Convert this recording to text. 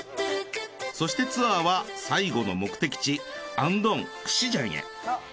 そしてツアーは最後の目的地アンドンクシジャンへ。